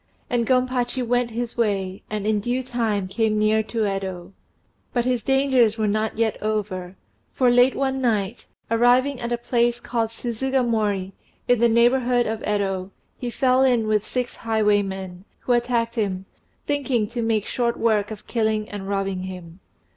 And Gompachi went his way, and in due time came near to Yedo. But his dangers were not yet over; for late one night, arriving at a place called Suzugamori, in the neighbourhood of Yedo, he fell in with six highwaymen, who attacked him, thinking to make short work of killing and robbing him.